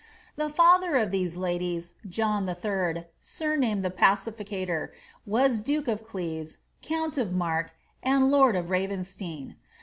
The father of these ladies, John HI., sumamed the Pacificator, was duke of Cleves, count of Mark, and lord of Ravenstein.